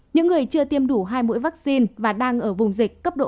những người chưa tiêm đủ hai mũi vaccine và đang ở vùng dịch cấp độ bốn